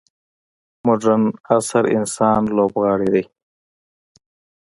مډرن عصر انسان لوبغاړی دی.